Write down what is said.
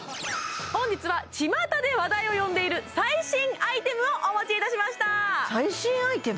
本日はちまたで話題を呼んでいる最新アイテムをお持ちいたしました最新アイテム？